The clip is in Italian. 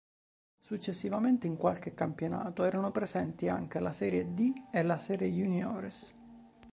Successivamente in qualche campionato erano previsti anche la serie D e la serie Juniores.